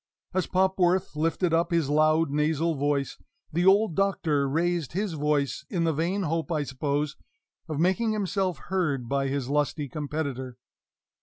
As Popworth lifted up his loud, nasal voice, the old Doctor raised his voice, in the vain hope, I suppose, of making himself heard by his lusty competitor.